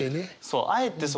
あえてね。